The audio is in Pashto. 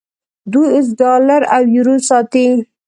دوی اوس ډالر او یورو ساتي.